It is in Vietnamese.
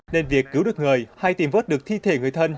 nên việc cứu được người hay tìm vớt được thi thể người thân